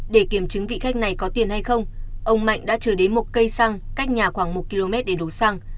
để kiểm chứng vị khách này có tiền hay không ông mạnh đã chờ đến một cây xăng cách nhà khoảng một km để đổ xăng